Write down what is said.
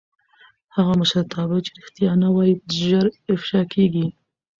هغه مشرتابه چې رښتیا نه وايي ژر افشا کېږي